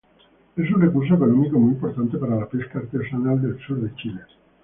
Es un recurso económico muy importante para la pesca artesanal del sur de Chile.